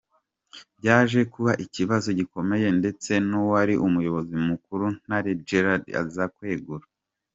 Byaje kuba ikibazo gikomeye ndetse n’uwari umuyobozi mukuru Ntare Gerard aza kwegura.